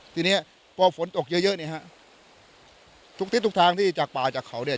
ทีนี้พอฝนตกเยอะเยอะเนี่ยฮะทุกทิศทุกทางที่จากป่าจากเขาเนี่ย